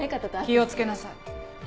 気を付けなさい。